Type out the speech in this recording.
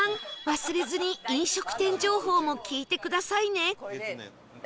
忘れずに飲食店情報も聞いてくださいね